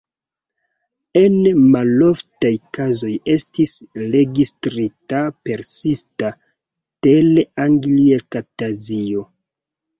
En maloftaj kazoj estis registrita persista teleangiektazio.